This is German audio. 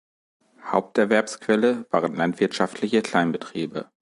Haupterwerbsquelle waren landwirtschaftliche Kleinbetriebe.